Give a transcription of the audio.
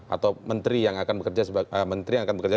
atau menteri yang akan bekerja